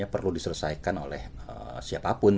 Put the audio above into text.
yang harus diselesaikan oleh siapapun